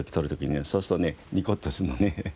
そうするとねニコッとすんのね。